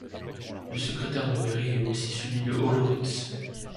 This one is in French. Le secrétaire de mairie est aussi celui de Olóriz.